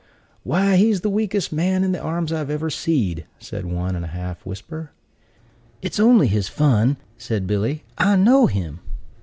"Why, he's the weakest man in the arms I ever seed," said one, in a half whisper. "It's only his fun," said Billy; "I know him."